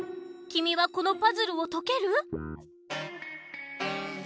きみはこのパズルをとける？